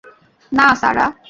না, সারা।